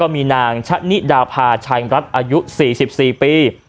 มีนางชะนิดาพาภาชายรัฐอายุสี่สิบสี่ปี